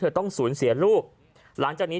กระทั่งเด็กคลอดออกมาก่อนกำหนด